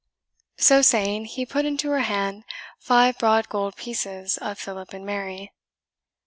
So saying, he put into her hand five broad gold pieces of Philip and Mary.